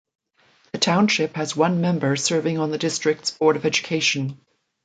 The township has one member serving on the district's Board of Education.